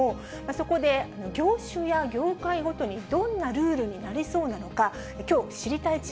そこで業種や業界ごとに、どんなルールになりそうなのか、きょう、知りたいッ！